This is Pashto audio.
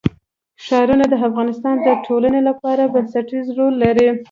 ښارونه د افغانستان د ټولنې لپاره بنسټيز رول لري.